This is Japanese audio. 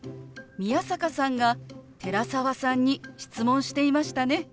宮坂さんが寺澤さんに質問していましたね。